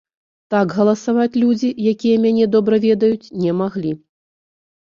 Так галасаваць людзі, якія мяне добра ведаюць, не маглі.